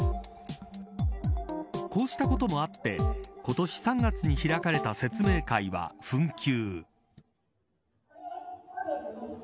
こうしたこともあって今年３月に開かれた説明会は紛糾。